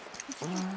うん！